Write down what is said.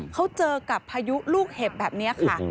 เขาเจอกับพายุลูกเห็บแบบนี้ค่ะ